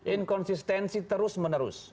inconsistensi terus menerus